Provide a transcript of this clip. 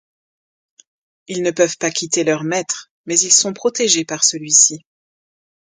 Ils ne peuvent pas quitter leur maître mais ils sont protégés par celui-ci.